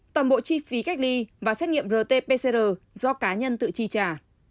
toàn bộ chi phí cách ly và xét nghiệm rt pcr do cá nhân tự chi trả